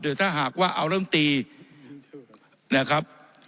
โดยถ้าหากว่าเอาเรื่องทีนะครับ